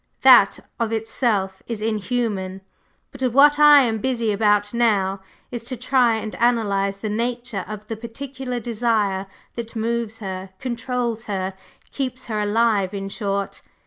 That of itself is inhuman; but what I am busy about now is to try and analyze the nature of the particular desire that moves her, controls her, keeps her alive, in short.